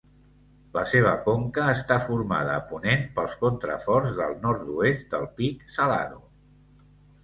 La seva conca està formada a ponent pels contraforts del nord-oest del Pic Salado.